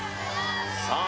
さあ